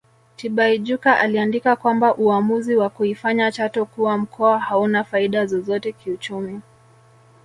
Tibaijuka aliandika kwamba uamuzi wa kuifanya Chato kuwa mkoa hauna faida zozote kiuchumi